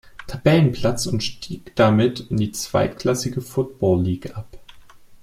Tabellenplatz und stieg damit in die zweitklassige Football League ab.